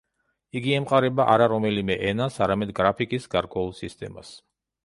იგი ემყარება არა რომელიმე ენას, არამედ გრაფიკის გარკვეულ სისტემას.